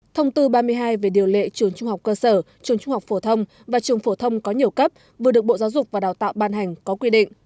thông tư ba mươi hai về điều lệ trường trung học cơ sở trường trung học phổ thông và trường phổ thông có nhiều cấp vừa được bộ giáo dục và đào tạo ban hành có quy định